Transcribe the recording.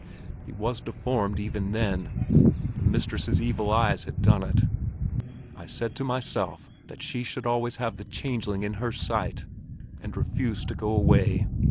He was deformed even then: the mistress's evil eyes had done it. I said to myself that she should always have the changeling in her sight, and refused to go away.